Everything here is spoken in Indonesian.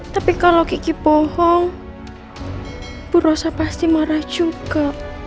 tapi kalau kiki bohong ibu rosa pasti marah juga